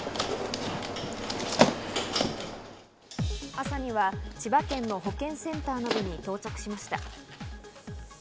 朝には千葉県の保健センターなどに到着しました。